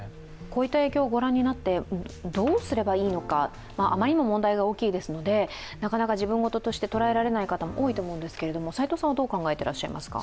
こういった影響を御覧になってどうすればいいのか、あまりに問題が大きいですのでなかなか自分ごととして捉えられない方が多いかもしれませんが斎藤さんはどう考えてらっしゃいますか？